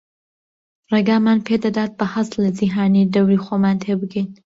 ڕێگامان پێدەدات بە هەست لە جیهانی دەوری خۆمان تێبگەین